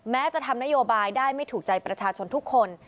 จะทำนโยบายได้ไม่ถูกใจประชาชนทุกคน